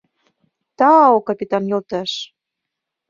— Тау, капитан йолташ!..